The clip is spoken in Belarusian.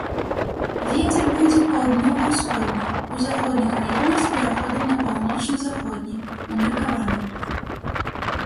Вецер будзе паўднёва-ўсходні, у заходніх раёнах з пераходам на паўночна-заходні, умеркаваны.